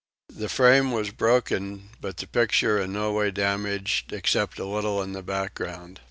The frame was broken but the picture no way damaged except a little in the background.